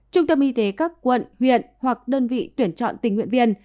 trung tâm y tế các quận huyện hoặc đơn vị tuyển chọn tình nguyện viên